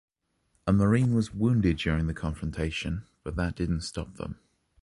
A marine was wounded during the confrontation, but that didn’t stop them.